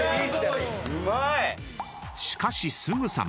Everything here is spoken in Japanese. ［しかしすぐさま］